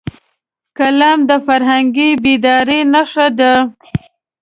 قلم د فرهنګي بیدارۍ نښه ده